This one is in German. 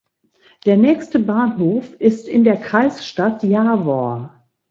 Der nächste Bahnhof ist in der Kreisstadt Jawor.